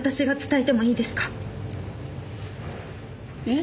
え？